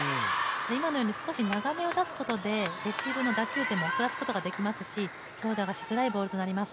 今のように少し長めを出すことでレシーブの打球点も遅らせることができますし強打がしづらいボールとなります。